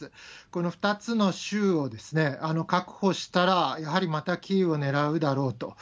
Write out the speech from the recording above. この２つの州を確保したら、やはりまたキーウを狙うだろうと。